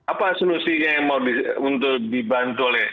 apa solusinya yang mau dibantu oleh